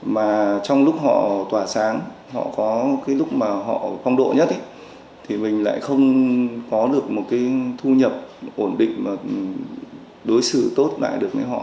mà trong lúc họ tỏa sáng họ có cái lúc mà họ phong độ nhất thì mình lại không có được một cái thu nhập ổn định mà đối xử tốt lại được với họ